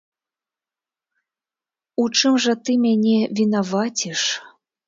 У чым жа ты мяне вінаваціш?